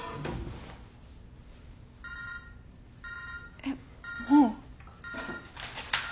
えっもう？